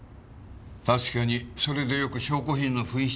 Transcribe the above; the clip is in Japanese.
確かにそれでよく証拠品の紛失が起きている。